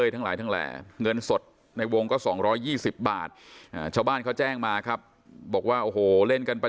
ตายก่อน